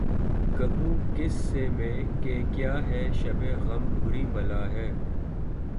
کہوں کس سے میں کہ کیا ہے شب غم بری بلا ہے